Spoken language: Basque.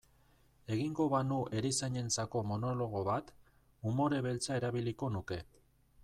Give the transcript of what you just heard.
Egingo banu erizainentzako monologo bat, umore beltza erabiliko nuke.